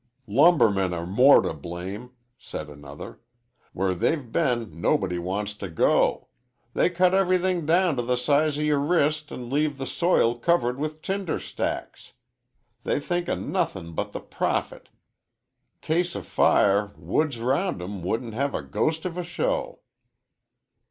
"Lumbermen are more to blame," said another. "Where they've been nobody wants to go. They cut everything down t' the size o' yer wrist an' leave the soil covered with tinder stacks. They think o' nothin' but the profit. Case o' fire, woods 'round 'em wouldn't hev a ghost of a show."